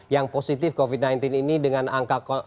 yang positif covid sembilan belas ini dengan angka